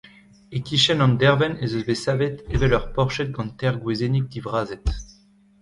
E-kichen an dervenn ez eus bet savet evel ur porched gant teir gwezennig divrazet.